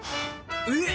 えっ！